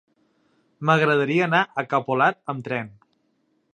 M'agradaria anar a Capolat amb tren.